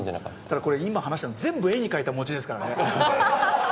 ただこれ今話したの全部絵に描いた餅ですからね。